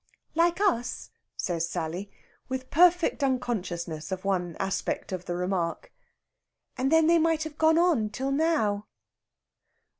"Like us?" says Sally, with perfect unconsciousness of one aspect of the remark. "And then they might have gone on till now."